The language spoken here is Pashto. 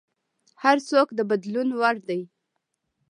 هر څوک د بدلون وړ دی.